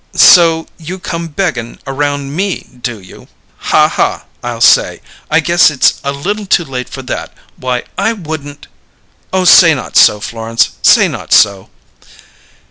'So you come beggin' around me, do you? Ha, ha!' I'll say! 'I guess it's a little too late for that! Why, I wouldn't '" "Oh, say not so, Florence! Say not so!"